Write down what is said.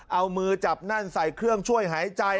เอามือจับนั่นใส่เครื่องช่วยหายใจ